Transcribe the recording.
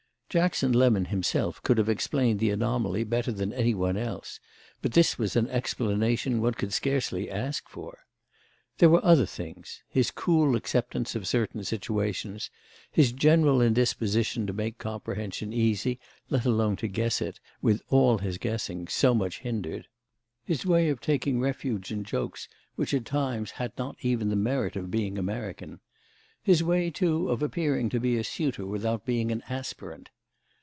Jackson Lemon himself could have explained the anomaly better than any one else, but this was an explanation one could scarcely ask for. There were other things: his cool acceptance of certain situations; his general indisposition to make comprehension easy, let alone to guess it, with all his guessing, so much hindered; his way of taking refuge in jokes which at times had not even the merit of being American; his way too of appearing to be a suitor without being an aspirant.